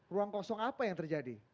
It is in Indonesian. ruang kosong apa yang terjadi